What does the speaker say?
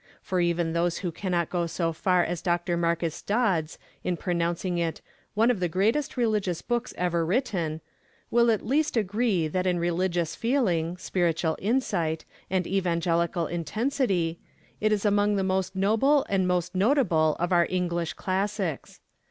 For even those who cannot go as far as Dr. Marcus Dods in pronouncing it 'one of the greatest religious books ever written' will at least agree that in religious feeling, spiritual insight and evangelical intensity, it is among the most noble and most notable of our English classics.